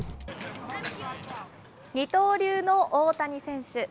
二刀流の大谷選手。